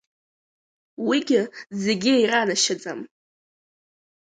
Уигьы зегьы иранашьаӡам.